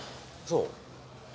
そう。